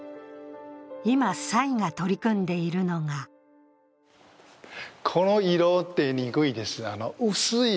今、蔡が取り組んでいるのがこの色、出にくいです。